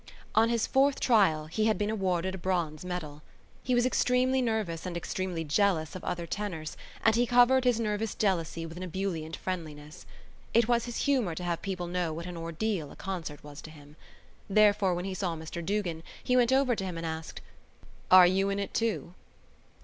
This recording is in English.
On his fourth trial he had been awarded a bronze medal. He was extremely nervous and extremely jealous of other tenors and he covered his nervous jealousy with an ebullient friendliness. It was his humour to have people know what an ordeal a concert was to him. Therefore when he saw Mr Duggan he went over to him and asked: "Are you in it too?"